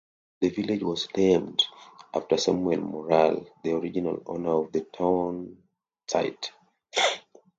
The village was named after Samuel Morral, the original owner of the town site.